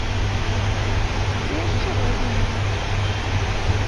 І яшчэ важны момант.